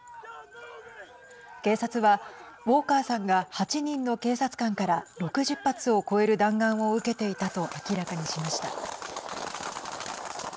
警察は、ウォーカーさんが８人の警察官から６０発を超える弾丸を受けていたと明らかにしました。